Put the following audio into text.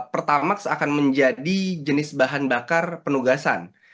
pertamax akan menjadi jenis bahan bakar penugasan